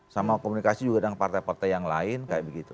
sama komunikasi juga dengan partai partai yang lain kayak begitu